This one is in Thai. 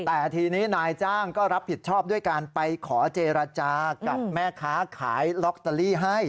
แต่ทีนี้นายจ้างก็รับผิดชอบด้วยการไปขอเจรจากับแม่ค้าขายลอตเตอรี่ให้